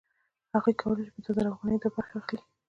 هغه کولی شي په دوه زره افغانیو دوه برخې واخلي